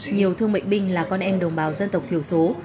nhiều thương bệnh binh là con em đồng bào dân tộc thiểu số